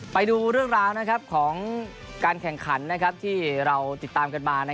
ไปดูเรื่องราวของการแข่งขันที่เราติดตามกันมา